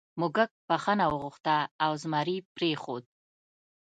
موږک بخښنه وغوښته او زمري پریښود.